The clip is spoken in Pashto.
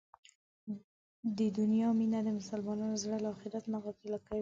د دنیا مینه د مسلمان زړه له اخرت نه غافله کوي.